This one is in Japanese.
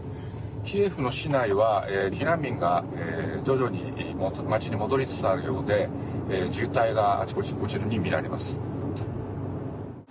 キーウの市内は避難民が徐々に街に戻りつつあるようで渋滞があちらこちらにみられます。